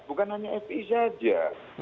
bukan hanya fi saja